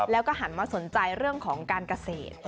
แล้วก็หันมาสนใจเรื่องของการเกษตร